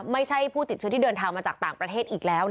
ไม่ใช่ผู้ติดเชื้อที่เดินทางมาจากต่างประเทศอีกแล้ว